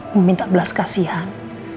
meminta belas kasihan